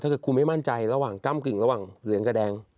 ครูไม่มั่นใจระหว่างก้ำกึ่งระหว่างเหลืองกับแดง